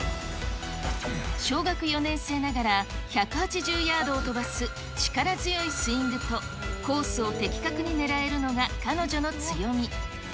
小学４年生ながら、１８０ヤードを飛ばす力強いスイングと、コースを的確に狙えるのが彼女の強み。